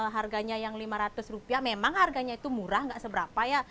harganya yang rp lima ratus memang harganya itu murah tidak seberapa ya